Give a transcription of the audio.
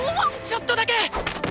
ちょっとだけ！